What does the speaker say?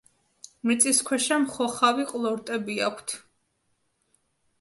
მიწისქვეშა მხოხავი ყლორტები აქვთ.